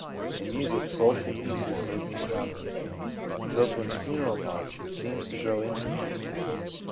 In music, soulful pieces move me strongly. Chopin's " Funeral March " seems to grow into me.